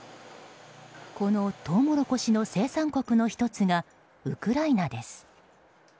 このトウモロコシの生産国の１つがウクライナです。